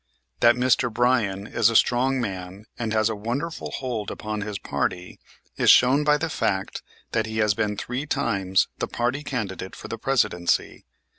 That Mr. Bryan is a strong man and has a wonderful hold upon his party is shown by the fact that he has been three times the party candidate for the Presidency.